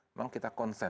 memang kita konsen